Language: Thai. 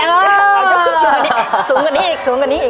ซู๊งกว่านี่